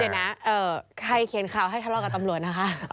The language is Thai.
เดี๋ยวนะใครเขียนข่าวให้ทะเลาะกับตำรวจนะคะ